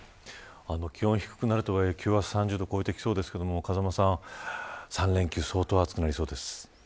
気温低くなるとはいえ、今日は気温３０度を超えてきそうですけれども３連休相当暑くなりそうです。